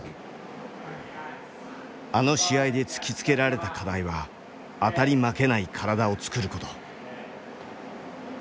あの試合で突きつけられた課題は当たり負けない体を作ること。